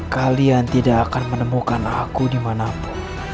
kalian tidak akan menemukan aku dimanapun